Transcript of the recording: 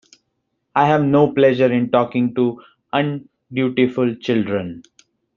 I have no pleasure in talking to undutiful children.